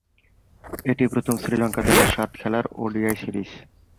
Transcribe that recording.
এটিই প্রথম শ্রীলঙ্কা দলের সাত-খেলার ওডিআই সিরিজ।